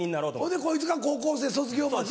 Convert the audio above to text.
でこいつが高校生卒業待って。